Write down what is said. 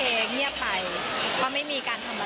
ตั้งจากวันราชไม่เคยทำ